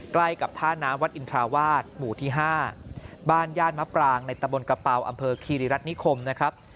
ใกล้กับท่าน้ำวัดอินทราวาสหมู่ที่๕บ้านย่านมะปรางในตะบนกระเป๋าอำเภอคีรีรัฐนิคมนะครับ